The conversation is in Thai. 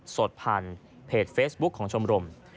สดผ่านเพจเฟซบุ๊คของชมรม